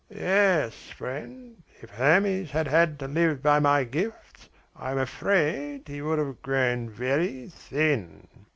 "Yes, friend, if Hermes had had to live by my gifts, I am afraid he would have grown very thin."